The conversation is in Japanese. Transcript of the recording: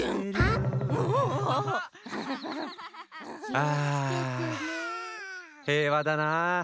ああへいわだなあ。